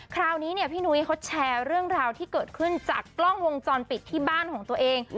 คราวนี้เนี่ยพี่นุ้ยเขาแชร์เรื่องราวที่เกิดขึ้นจากกล้องวงจรปิดที่บ้านของตัวเอง